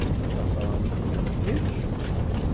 D Afransis, kečč?